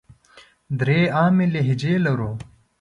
درې عامې لهجې لرو.